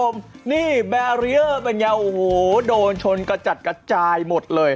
ไม่เคยไปจริง